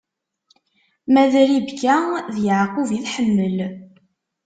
Ma d Ribka, d Yeɛqub i tḥemmel.